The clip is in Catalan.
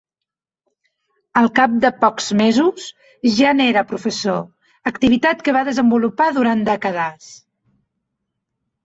Al cap de pocs mesos ja n'era professor, activitat que va desenvolupar durant dècades.